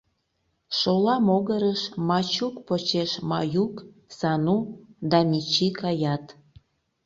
Шола могырыш Мачук почеш Маюк, Сану да Мичи каят.